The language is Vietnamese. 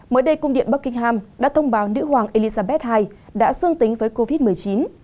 mới đây cung điện buckingham đã thông báo nữ hoàng elizabeth ii đã xương tính với covid một mươi chín